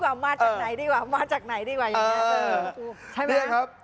เอาอย่างนี้ดีกว่าว่าจะเอาไหนดีกว่า